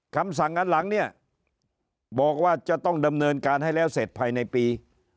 คำสั่งอันหลังเนี่ยบอกว่าจะต้องดำเนินการให้แล้วเสร็จภายในปี